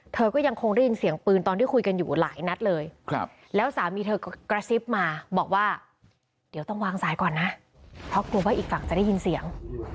เธอก็ยังคงได้ยินเสียงปืนตอนที่คุยกันอยู่หลายนัดเลยแล้วสามีเธอกระซิบมาบอกว่าเดี๋ยวต้องวางสายก่อนนะเพราะกลัวว่าอีกฝั่งจะได้ยินเสียง